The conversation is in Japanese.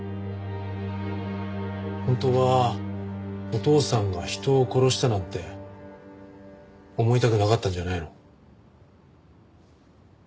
本当はお父さんが人を殺したなんて思いたくなかったんじゃないの？